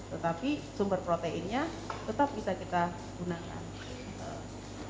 tetapi sumber proteinnya tetap bisa kita gunakan